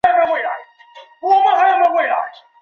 火车来回不晓得多少钱